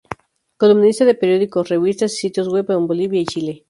Columnista de periódicos, revistas y sitios web en Bolivia y Chile.